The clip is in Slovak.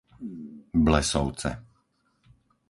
Blesovce